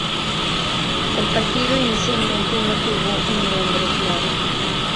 El partido inicialmente no tuvo un nombre claro.